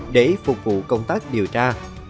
để phục vụ công tác điều tra